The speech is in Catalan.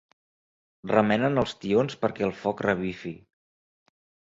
Remenen els tions perquè el foc revifi.